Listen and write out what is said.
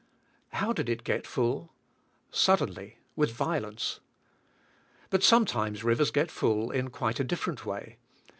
How did it get full? Suddenly, with violence. But sometimes rivers get full in quite a different way.